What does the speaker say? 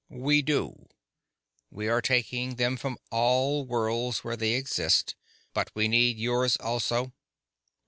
"We do. We are taking them from all worlds where they exist. But we need yours also."